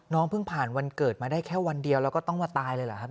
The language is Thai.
เพิ่งผ่านวันเกิดมาได้แค่วันเดียวแล้วก็ต้องมาตายเลยเหรอครับ